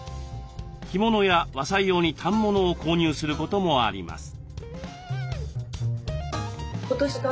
着物や和裁用に反物を購入することもあります。